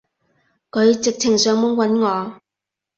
佢直情上門搵我